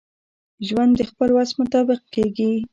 ژوند دخپل وس مطابق کیږي.